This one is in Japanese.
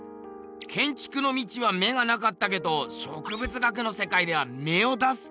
けんちくの道は目がなかったけど植物学の世界では芽を出すってことか？